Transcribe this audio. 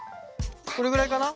これぐらいかな。